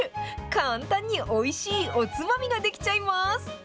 簡単においしいおつまみが出来ちゃいます。